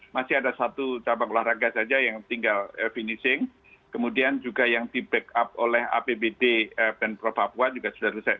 masih ada satu cabang olahraga saja yang tinggal finishing kemudian juga yang di backup oleh apbd pemprov papua juga sudah selesai